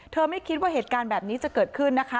ไม่คิดว่าเหตุการณ์แบบนี้จะเกิดขึ้นนะคะ